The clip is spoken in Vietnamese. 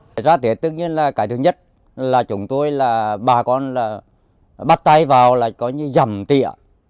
thật ra tết tất nhiên là cái thứ nhất là chúng tôi là bà con là bắt tay vào là có như dầm tịa